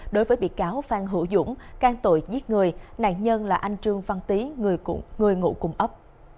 đối với bị cáo phan hữu dũng can tội giết người nạn nhân là anh trương văn tý người ngụ cùng ấp